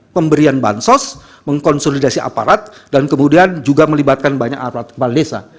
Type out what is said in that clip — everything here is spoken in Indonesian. pemberian bansos mengkonsolidasi aparat dan kemudian juga melibatkan banyak aparat kepala desa